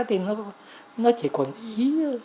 thì nó chỉ còn ý